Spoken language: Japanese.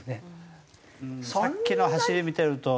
さっきの走り見てると。